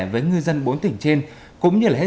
với ngư dân bốn tỉnh trên cũng như là hết